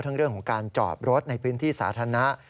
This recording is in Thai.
เรื่องของการจอดรถในพื้นที่สาธารณะ